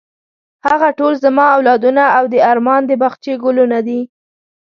هغه ټول زما اولادونه او د ارمان د باغچې ګلونه دي.